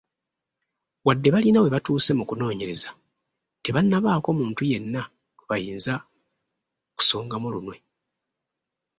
Wadde balina we batuuse mu kunoonyereza, tebannabaako muntu yenna gwe bayinza kusongamu lunwe.